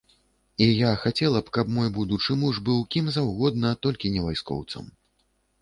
І я хацела б, каб мой будучы муж быў кім заўгодна, толькі не вайскоўцам.